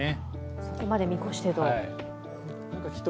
そこまで見越してと。